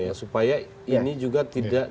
ya supaya ini juga tidak